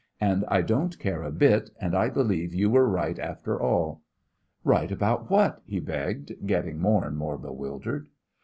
And I don't care a bit, and I believe you were right, after all." "Right about what?" he begged, getting more and more bewildered.